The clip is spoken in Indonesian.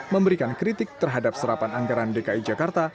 memberikan kritik terhadap serapan anggaran dki jakarta